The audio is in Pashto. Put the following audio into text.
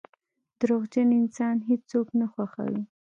• دروغجن انسان هیڅوک نه خوښوي.